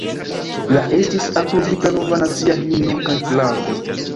La estis aprobita nova nacia himno kaj flago.